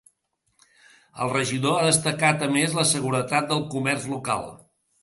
El regidor ha destacat a més la seguretat del comerç local.